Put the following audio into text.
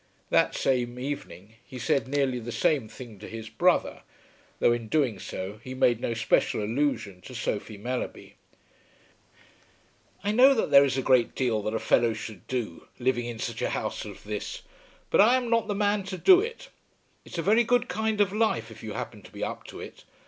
That same evening he said nearly the same thing to his brother, though in doing so he made no special allusion to Sophie Mellerby. "I know that there is a great deal that a fellow should do, living in such a house as this, but I am not the man to do it. It's a very good kind of life, if you happen to be up to it.